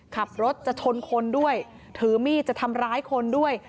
ขับรถจะชนคนด้วยถือมีดจะทำร้ายคนด้วย